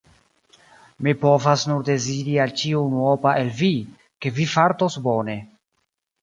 Mi povas nur deziri al ĉiu unuopa el vi, ke vi fartos bone.